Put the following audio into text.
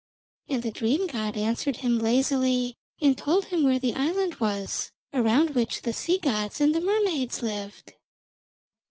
And the dream god answered him lazily, and told him where the island was around which the sea gods and the mermaids lived.